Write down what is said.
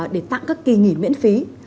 để tặng các kỳ nghỉ miễn phí